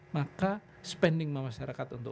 maka spending masyarakat untuk